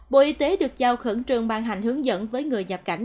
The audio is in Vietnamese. bộ y tế được giao khẩn trường ban hành hướng dẫn với người nhập cảnh